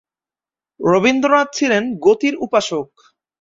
রবীন্দ্রনাথ ছিলেন গতির উপাসক।